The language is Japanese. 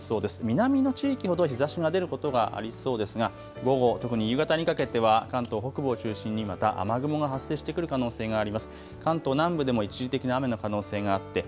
南の地域ほど日ざしが出ることがありそうですが午後、特に夕方にかけては関東北部を中心にまた雨雲が発生してくる可能性があります。